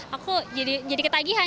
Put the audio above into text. aku jadi ketagihan